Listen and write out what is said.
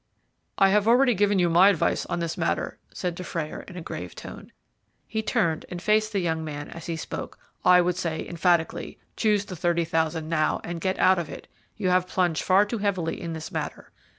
"I have already given you my advice on this matter," said Dufrayer, in a grave tone. He turned and faced the young man as he spoke. "I would say emphatically, choose the thirty thousand now, and get out of it. You have plunged far too heavily in this matter.